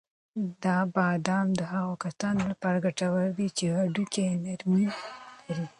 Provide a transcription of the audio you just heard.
دا بادام د هغو کسانو لپاره ګټور دي چې د هډوکو نرمي لري.